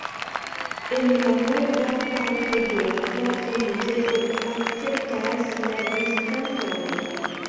En la norda parto de la placo muzeo akceptas la vizitantojn.